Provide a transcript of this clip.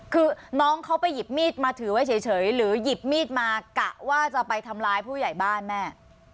คือน้องเขาไปหยิบมีดมาถือไว้เฉยหรือหยิบมีดมากะว่าจะไปทำร้ายผู้ใหญ่บ้านแม่